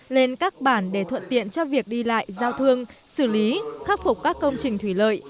lên các bản để thuận tiện cho việc đi lại giao thương xử lý khắc phục các công trình thủy lợi